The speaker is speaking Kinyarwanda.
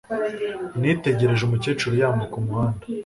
Nitegereje umukecuru yambuka umuhanda